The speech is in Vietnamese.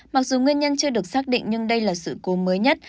mặc dù nguyên nhân chưa được xác định nhưng đây là sự cố mới nhất